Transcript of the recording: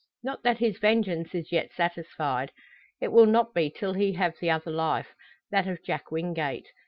Not that his vengeance is yet satisfied. It will not be till he have the other life that of Jack Wingate.